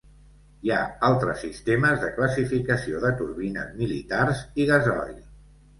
Hi ha altres sistemes de classificació de turbines militars i gasoil.